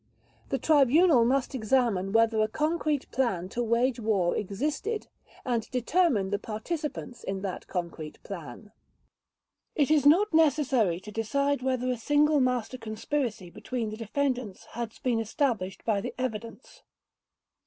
The Tribunal must examine whether a concrete plan to wage war existed, and determine the participants in that concrete plan. It is not necessary to decide whether a single master conspiracy between the defendants has been established by the evidence.